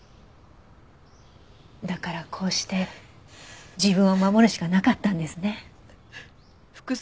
だからこうして自分を守るしかなかったんですね。